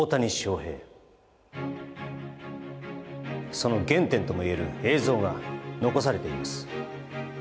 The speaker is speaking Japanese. その原点ともいえる映像が残されています